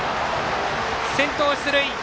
先頭出塁。